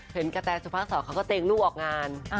เห็นกะแทนซูภาคศรเขากระเตงลู่ออกงาน